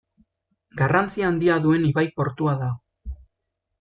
Garrantzia handia duen ibai-portua da.